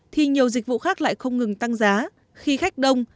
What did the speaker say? thì nhiều dịch vụ khác lại không ngừng tăng giá khi khách đông